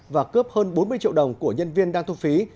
và cướp hơn bốn mươi triệu đồng của nhân viên đang thu phí